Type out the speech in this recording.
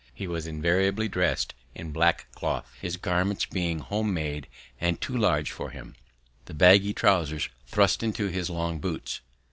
He was invariably dressed in black cloth, his garments being home made and too large for him, the baggy trousers thrust into his long boots.